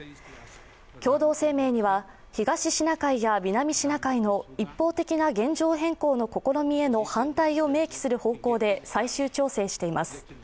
共同声明には東シナ海や南シナ海の一方的な現状変更の試みへの反対を明記する方向で最終調整しています。